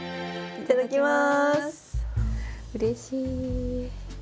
いただきます。